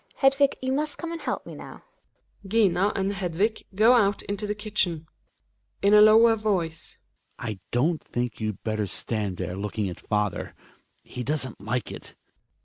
Hedvig, you must come and help me now. GiNA and Hedvig go out into the kitchen. Hjalmar {in a lower voice). I don't think you'd better stand there looking at father; he doesn't like it.